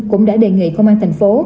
cũng đã đề nghị công an thành phố